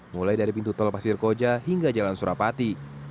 mulai dari pintu tol pasir koja hingga jalan surapati